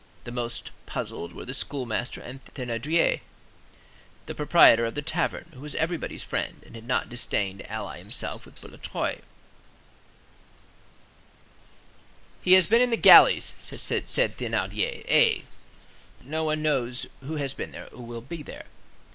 The most "puzzled" were the schoolmaster and Thénardier, the proprietor of the tavern, who was everybody's friend, and had not disdained to ally himself with Boulatruelle. "He has been in the galleys," said Thénardier. "Eh! Good God! no one knows who has been there or will be there."